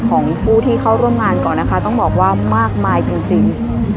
ของผู้ที่เข้าร่วมงานก่อนนะคะต้องบอกว่ามากมายจริง